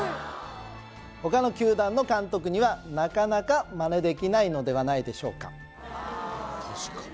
他の球団の監督にはなかなかマネできないのではないでしょうか